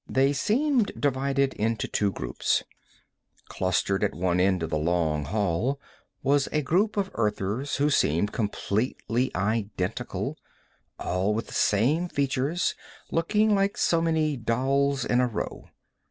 They seemed divided into two groups. Clustered at one end of the long hall was a group of Earthers who seemed completely identical, all with the same features, looking like so many dolls in a row.